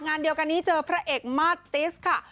งานเดียวกันนี้เจอพระเอกมาสติสค่ะ